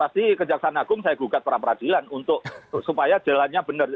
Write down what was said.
pasti kejaksaan agung saya gugat para peradilan untuk supaya jalannya benar